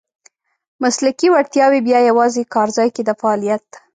مسلکي وړتیاوې بیا یوازې کارځای کې د فعالیت .